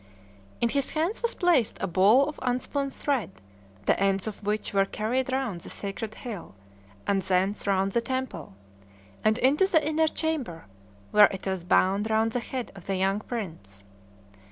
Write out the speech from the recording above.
In his hands was placed a ball of unspun thread, the ends of which were carried round the sacred hill, and thence round the temple, and into the inner chamber, where it was bound round the head of the young prince.